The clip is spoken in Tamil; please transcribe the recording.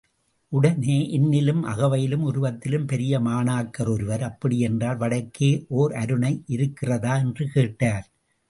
உடனே, என்னிலும் அகவையிலும் உருவத்திலும் பெரிய மாணாக்கர் ஒருவர், அப்படியென்றால், வடக்கே ஓர் அருணை இருக்கிறதா? என்று கேட்டார்.